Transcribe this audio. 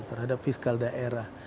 terhadap fiskal daerah